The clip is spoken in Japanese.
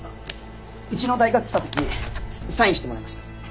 うちの大学に来た時サインしてもらいました。